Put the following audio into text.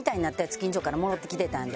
近所からもろてきてたんで。